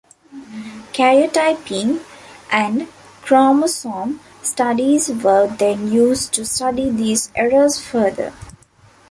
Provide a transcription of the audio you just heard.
Karyotyping and chromosome studies were then used to study these errors further.